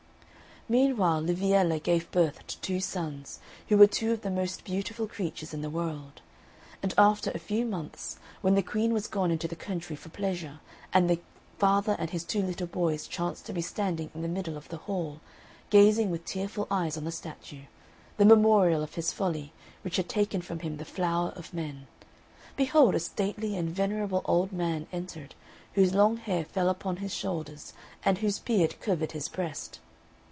Meanwhile Liviella gave birth to two sons, who were two of the most beautiful creatures in the world. And after a few months, when the Queen was gone into the country for pleasure, and the father and his two little boys chanced to be standing in the middle of the hall, gazing with tearful eyes on the statue the memorial of his folly, which had taken from him the flower of men behold a stately and venerable old man entered, whose long hair fell upon his shoulders and whose beard covered his breast.